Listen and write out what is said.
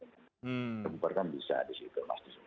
kita bubarkan bisa di situ